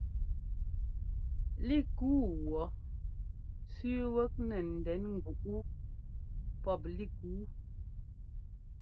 Lík yú wɔ̌ sẅíi wɛ́k nɛ ndɛn ŋgúꞌ wú pɔ́p lík yu.